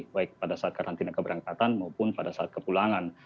baik pada saat karantina keberangkatan maupun pada saat kepulangan